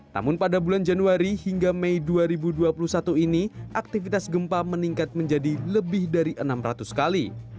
namun pada bulan januari hingga mei dua ribu dua puluh satu ini aktivitas gempa meningkat menjadi lebih dari enam ratus kali